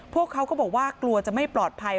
พวกเขาก็บอกว่ากลัวจะไม่ปลอดภัย